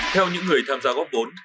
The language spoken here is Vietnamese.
theo những người tham gia góp vốn